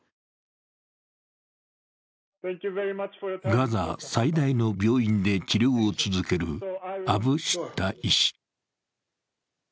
ガザ最大の病院で治療を続けるアブ・シッタ医師。